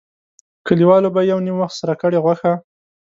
کلیوالو به یو نیم وخت سره کړې غوښه.